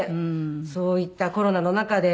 そういったコロナの中で。